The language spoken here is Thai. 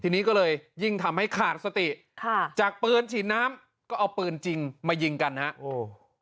ทีนี้ก็เลยยิ่งทำให้ขาดสติค่ะจากปืนฉีดน้ำก็เอาปืนจริงมายิงกันฮะโอ้